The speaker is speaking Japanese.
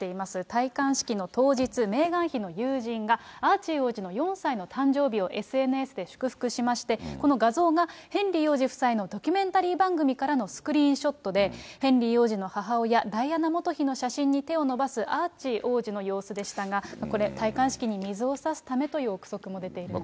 戴冠式の当日、メーガン妃の友人がアーチー王子の４歳の誕生日をＳＮＳで祝福しまして、この画像がヘンリー王子夫妻のドキュメンタリー番組からのスクリーンショットで、ヘンリー王子の母親、ダイアナ元妃の写真に手を伸ばすアーチー王子の様子でしたが、これ、戴冠式に水をさすためという臆測も出ているんです。